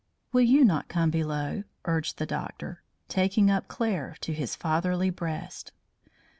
"Will you not come below?" urged the doctor, taking up Claire to his fatherly breast.